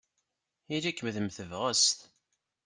Ili-kem d mm tebɣest.